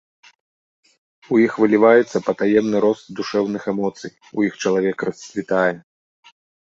У іх выліваецца патаемны рост душэўных эмоцый, у іх чалавек расцвітае.